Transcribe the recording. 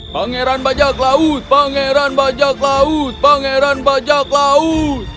pangeran bajak laut pangeran bajak laut pangeran bajak laut